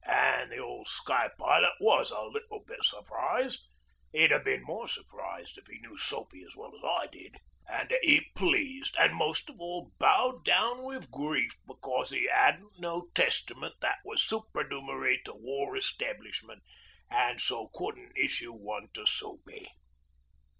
An' the old sky pilot was a little bit surprised he'd 'a bin more surprised if 'e knew Soapy as well as I did an' a heap pleased, and most of all bowed down wi' grief becos 'e 'adn't no Testament that was supernumary to War Establishment, and so couldn't issue one to Soapy.